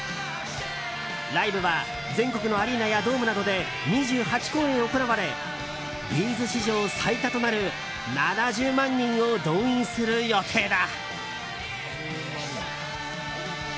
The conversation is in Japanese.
ライブは、全国のアリーナやドームなどで２８公演行われＢ’ｚ史上最多となる７０万人を動員する予定だ。